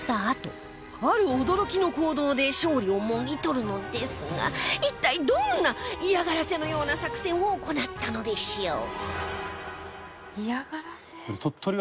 あとある驚きの行動で勝利をもぎ取るのですが一体どんな嫌がらせのような作戦を行ったのでしょう？